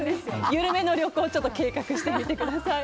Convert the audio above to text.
緩めの旅行を計画してみてください。